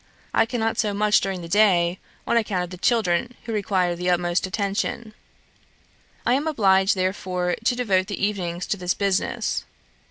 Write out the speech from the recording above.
I cannot sew much during the day, on account of the children, who require the utmost attention. I am obliged, therefore, to devote the evenings to this business.